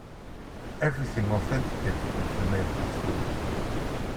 Everything authenticates with the main password now.